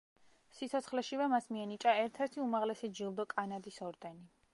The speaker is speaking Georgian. სიცოცხლეშივე მას მიენიჭა ერთ-ერთი უმაღლესი ჯილდო, კანადის ორდენი.